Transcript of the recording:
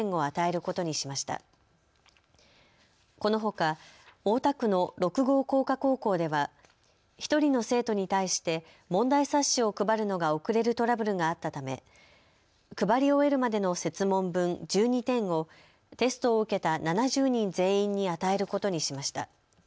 このほか大田区の六郷工科高校では１人の生徒に対して問題冊子を配るのが遅れるトラブルがあったため配り終えるまでの設問分１２点をテストを受けた７０人全員に与えることにしました。